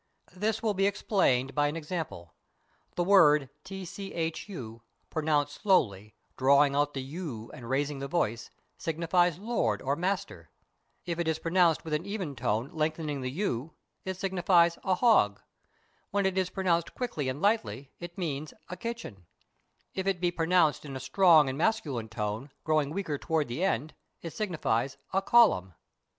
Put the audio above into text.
This will be explained by an example. The word Tchu, pronounced slowly, drawing out the u and raising the voice, signifies lord or master; if it is pronounced with an even tone lengthening the w, it signifies a hog; when it is pronounced quickly and lightly, it means a kitchen; if it be pronounced in a strong and masculine tone, grow ing weaker towards the end, it signifies a column.